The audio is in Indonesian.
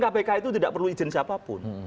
kpk itu tidak perlu izin siapapun